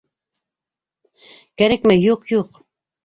Кәрәкмәй, юҡ, юҡ!